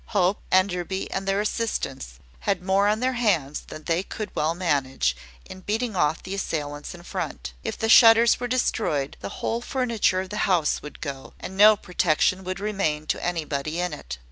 Hope, Enderby, and their assistants, had more on their hands than they could well manage, in beating off the assailants in front. If the shutters were destroyed, the whole furniture of the house would go, and no protection would remain to anybody in it.